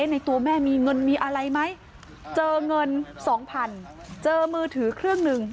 ในตัวแม่มีเงินมีอะไรไหมเจอเงิน๒๐๐๐เจอมือถือเครื่องหนึ่ง